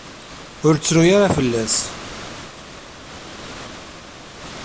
Ur ttru ara fell-as.